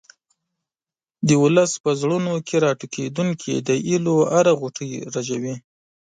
د ولس په زړونو کې راټوکېدونکې د هیلو هره غوټۍ رژوي.